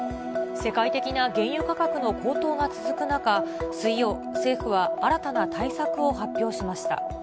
世界的な原油価格の高騰が続く中、水曜、政府は新たな対策を発表しました。